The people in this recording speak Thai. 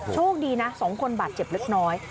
โชคดีนะ๒คนบาดเจ็บเล็กน้อย